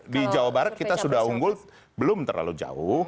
di jawa barat kita sudah unggul belum terlalu jauh